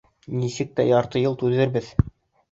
Нисек тә ярты йыл түҙербеҙ.